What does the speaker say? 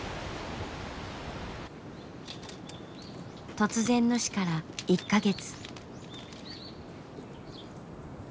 突然の死から１か月。